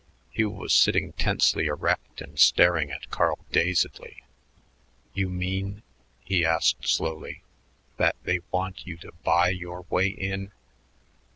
Hugh was sitting tensely erect and staring at Carl dazedly. "You mean," he asked slowly, "that they want you to buy your way in?"